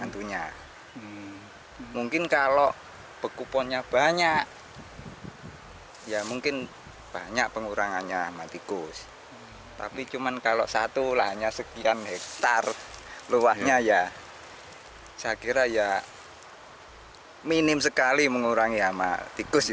terus kalau cuma satu